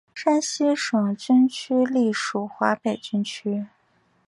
山西省军区隶属华北军区。